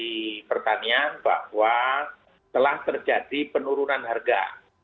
di pertanian bahwa telah terjadi penurunan harga